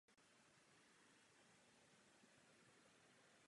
Byl členem Haličské provincie Tovaryšstva Ježíšova.